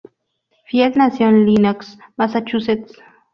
Field nació en Lenox, Massachusetts.